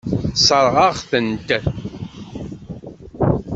Tessṛeɣ-aɣ-tent.